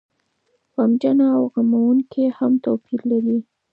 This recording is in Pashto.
غمجنه او غموونکې هم توپير لري.